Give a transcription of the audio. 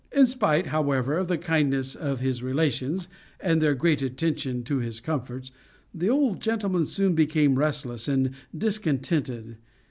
In spite, however, of the kindness of his relations, and their great attention to his comforts, the old gentleman soon became restless and discontented.